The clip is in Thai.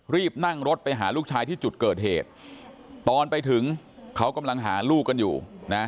รีบนั่งรถไปหาลูกชายที่จุดเกิดเหตุตอนไปถึงเขากำลังหาลูกกันอยู่นะ